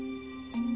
うん。